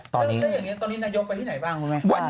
แล้วมันจะอย่างนี้ตอนนี้นายกไปที่ไหนบ้างมันไหม